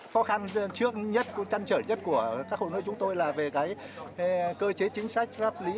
khó khăn trước nhất trăn trở nhất của các hội nuôi chúng tôi là về cơ chế chính sách pháp lý